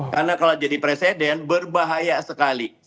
karena kalau jadi presiden berbahaya sekali